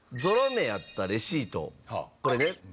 これね